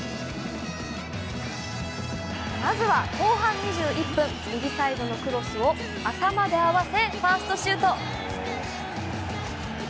まずは後半２１分右サイドのクロスを頭で合わせファーストシュート。